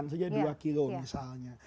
saja dua kilo misalnya